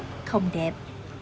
khó không đẹp